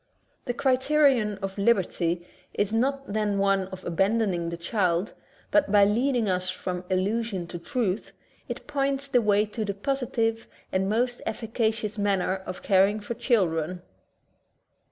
The criterion of liberty is not then one of abandoning the child, but by leading us from illusion to truth, it points the way to the posi tive and most efficacious manner of caring for children.